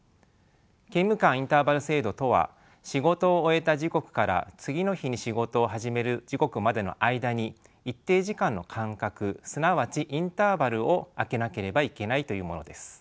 勤務間インターバル制度とは仕事を終えた時刻から次の日に仕事を始める時刻までの間に一定時間の間隔すなわちインターバルを空けなければいけないというものです。